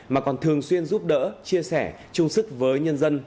mà còn thường xuyên giúp đỡ chia sẻ trung sức với nhân dân